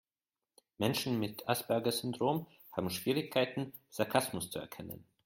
Menschen mit Asperger-Syndrom haben Schwierigkeiten, Sarkasmus zu erkennen.